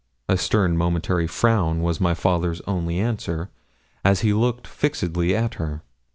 A stern, momentary frown was my father's only answer, as he looked fixedly at her.